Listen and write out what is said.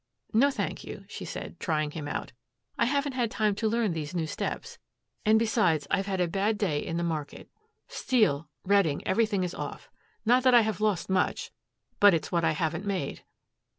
"No, thank you," she said, trying him out. "I haven't had time to learn these new steps. And, besides, I have had a bad day in the market. Steel, Reading, everything is off. Not that I have lost much but it's what I haven't made."